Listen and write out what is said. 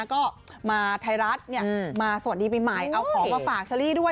ก็มาไทยรัฐมาสวัสดีปีใหม่เอาของมาฝากเชอรี่ด้วย